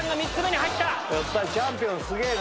チャンピオンすげぇな。